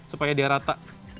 supaya dia rata